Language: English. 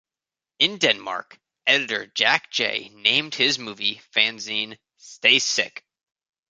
In Denmark, editor Jack J named his movie fanzine Stay Sick!